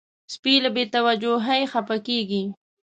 سپي له بې توجهۍ خپه کېږي.